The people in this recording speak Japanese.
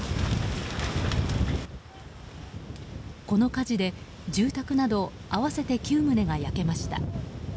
この火事で住宅など合わせて９棟が焼けました。